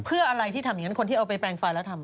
เพื่ออะไรที่ทำอย่างนั้นคนที่เอาไปแปลงไฟแล้วทำ